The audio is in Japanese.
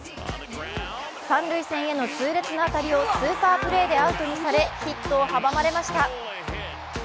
三塁線への痛烈な当たりをスーパープレーでアウトにされヒットを阻まれました。